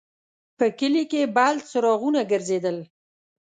په کلي کې بل څراغونه ګرځېدل.